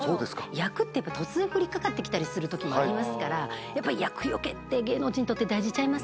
厄って突然降りかかってきたりするときもありますからやっぱ厄除けって芸能人にとって大事ちゃいますか？